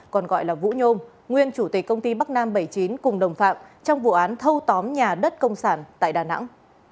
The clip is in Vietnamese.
còn gọi là vũ nhôm nguyên chủ tịch công ty bắc nam bảy mươi chín cùng đồng phạm trong vụ án thâu tóm nhà đất công sản tại đà nẵng